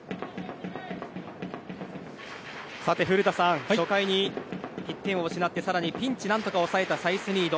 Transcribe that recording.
古田さん、初回に１点を失って更にピンチを何とか抑えたサイスニード。